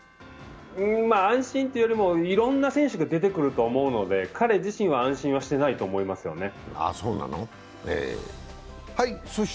安心というよりも、いろいろな選手が出てくると思うので、彼自身は安心していないと思いますよね。